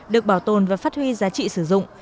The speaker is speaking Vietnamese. được bảo tồn và phát huy giá trị sử dụng